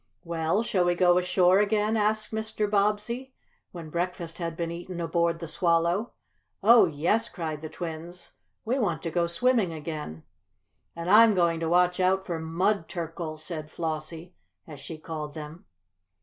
"Well, shall we go ashore again?" asked Mr. Bobbsey, when breakfast had been eaten aboard the Swallow. "Oh, yes!" cried the twins. "We want to go swimming again!" "And I'm going to watch out for 'mud turkles,'" said Flossie, as she called them.